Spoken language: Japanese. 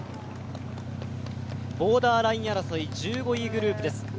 ボーダーライン争い、１５位グループです。